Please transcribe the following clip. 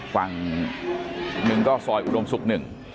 ฝั่งหนึ่งก็ซอยอุดมศุกร์หนึ่ง